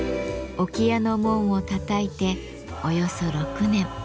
置屋の門をたたいておよそ６年。